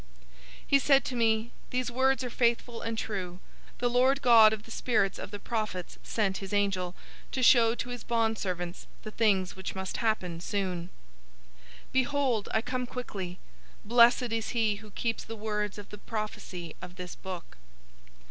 022:006 He said to me, "These words are faithful and true. The Lord God of the spirits of the prophets sent his angel to show to his bondservants the things which must happen soon." 022:007 "Behold, I come quickly. Blessed is he who keeps the words of the prophecy of this book."